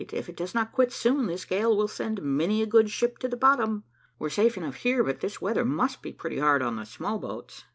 If it does not quit soon, this gale will send many a good ship to the bottom. We're safe enough here, but this weather must be pretty hard on the small boats."